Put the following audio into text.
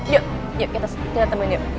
yuk yuk kita temuin yuk